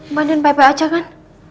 mbak andin baik baik aja kan